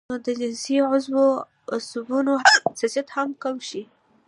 نو د جنسي عضو د عصبونو حساسيت هم کم شي